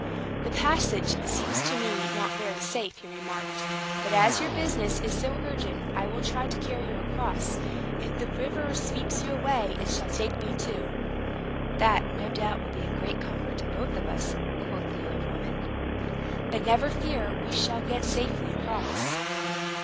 "The passage seems to me not very safe," he remarked. "But as your business is so urgent, I will try to carry you across. If the river sweeps you away, it shall take me too." "That, no doubt, will be a great comfort to both of us," quoth the old woman. "But never fear. We shall get safely across."